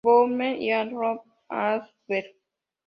Bournemouth y al Royal Antwerp.